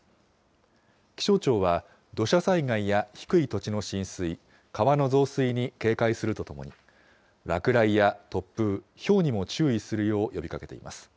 気象庁は土砂災害や低い土地の浸水、川の増水に警戒するとともに、落雷や突風、ひょうにも注意するよう呼びかけています。